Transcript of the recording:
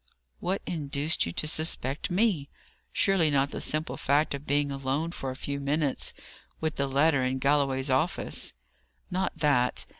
"What induced you to suspect me? Surely not the simple fact of being alone for a few minutes with the letter in Galloway's office?" "Not that.